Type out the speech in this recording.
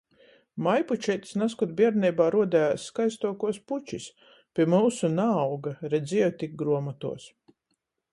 Majpučeitis nazkod bierneibā ruodejuos skaistuokuos pučis. Pi myusu naauga, redzieju tik gruomotuos.